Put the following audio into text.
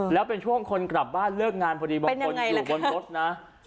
แล้วเป็นช่วงคนกลับบ้านเลิกงานพอดีบางคนอยู่บนรถนะ